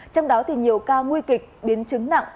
trong đó thì nhiều ca nguy kịch biến chứng nặng